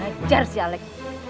pajar si alec